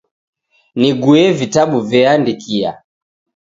Nigue vitabu veandikia.